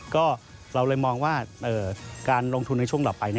ก็เราเลยมองว่าการลงทุนในช่วงต่อไป